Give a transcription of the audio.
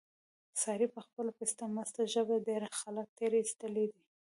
سارې په خپله پسته مسته ژبه، ډېر خلک تېر ایستلي دي.